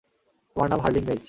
আমার নাম হারলিং মেজ।